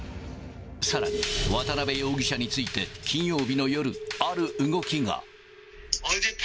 さらに、渡辺容疑者について、金曜日の夜、ある動きが。